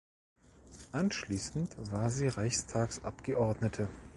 Anschließend war sie Reichstagsabgeordnete.